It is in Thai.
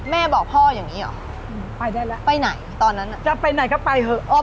แม่บอกพ่ออย่างนี้หรอไปได้แล้วไปไหนตอนนั้นอ่ะจะไปไหนก็ไปเถอะ